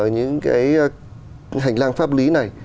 những hành lang pháp lý này